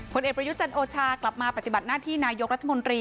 ผลเอกประยุจันทร์โอชากลับมาปฏิบัติหน้าที่นายกรัฐมนตรี